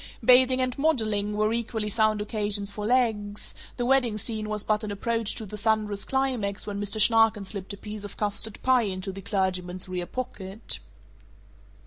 Bathing and modeling were equally sound occasions for legs; the wedding scene was but an approach to the thunderous climax when Mr. Schnarken slipped a piece of custard pie into the clergyman's rear pocket.